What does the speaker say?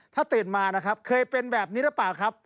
ถ้าตื่นมานะครับเคยเป็นแบบนี้หรือเปล่าครับ